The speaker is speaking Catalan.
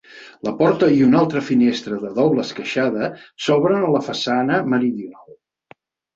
La porta i una altra finestra de doble esqueixada s'obren a la façana meridional.